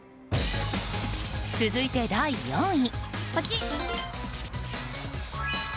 続いて、第４位。